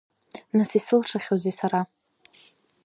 Нас исылшахьоузеи сара?